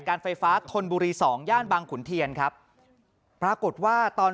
การไฟฟ้าธนบุรีสองย่านบางขุนเทียนครับปรากฏว่าตอน